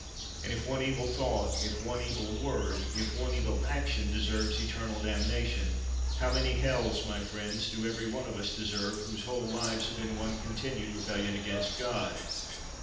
And if one evil thought, if one evil word, if one evil action deserves eternal damnation, how many hells, my friends, do every 184 WHITEFIELD one of us deserve whose whole lives have been one continued rebellion against God!